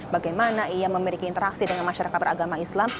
bagaimana ia memiliki interaksi dengan masyarakat beragama islam